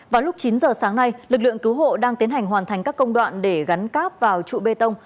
vào lúc chín giờ sáng nay lực lượng cứu hộ đang tiến hành hoàn thành các công đoạn để gắn cáp vào trụ bê tông